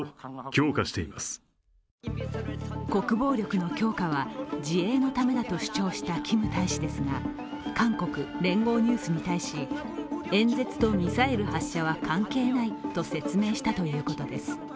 国防力の強化は自衛のためだと強調したキム大使ですが、韓国「聯合ニュース」に対し、演説とミサイル発射は関係ないと説明したということです。